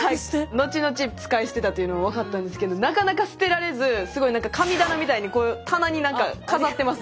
後々使い捨てだというのは分かったんですけどなかなか捨てられずすごいなんか神棚みたいにこう棚になんか飾ってます